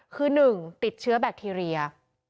คือ๑ติดเชื้อแบคทีเรีย